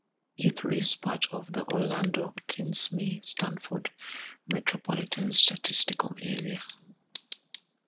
Heathrow is part of the Orlando-Kissimmee-Sanford Metropolitan Statistical Area.